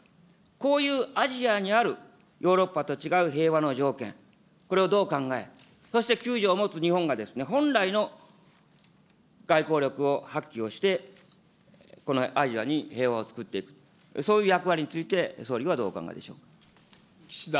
こういうアジアにあるヨーロッパと違う平和の条件、これをどう考え、そして９条を持つ日本が本来の外交力を発揮をして、このアジアに平和をつくっていく、そういう役割について総理はどうお考えでし岸田